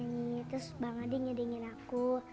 ini terus bang adi nyedingin aku